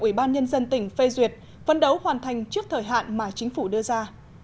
ủy ban nhân dân tỉnh phê duyệt phân đấu hoàn thành trước thời hạn mà chính phủ đưa ra